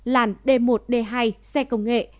làn d một d hai xe công nghệ